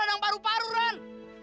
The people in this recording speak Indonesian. dan paru paru ran